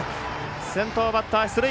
先頭バッター出塁。